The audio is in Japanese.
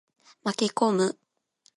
巻き込む。